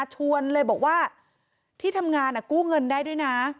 ชวนเลยบอกว่าที่ทำงานกู้เงินได้ด้วยนะ